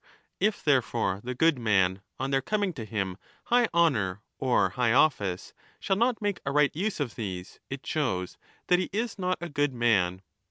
If therefore the good man on there coming to him high honour or high ofifice shall not make a right use of these, it shows that he is not a good man.